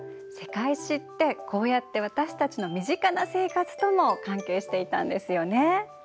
「世界史」ってこうやって私たちの身近な生活とも関係していたんですよね。